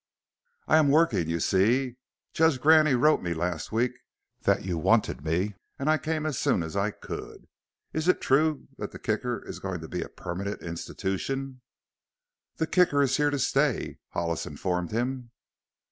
"I am working, you see. Judge Graney wrote me last week that you wanted me and I came as soon as I could. Is it true that the Kicker is going to be a permanent institution?" "The Kicker is here to stay!" Hollis informed him.